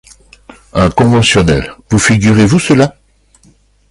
Un conventionnel, vous figurez-vous cela ?